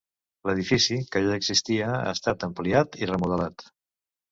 L'edifici, que ja existia, ha estat ampliat i remodelat.